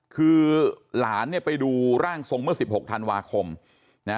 คือหลานเนี่ยไปดูร่างทรงเมื่อ๑๖ธันวาคมนะ